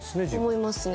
思いますね